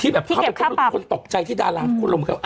ที่เก็บค่าปรับที่เก็บต้นคนตกใจที่ด่ารัก